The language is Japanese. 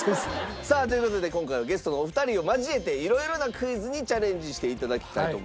さあという事で今回はゲストのお二人を交えて色々なクイズにチャレンジして頂きたいと思います。